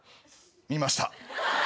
見ました。